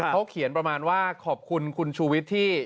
เขาเขียนประมาณว่าขอบคุณคุณชูวิทย์ที่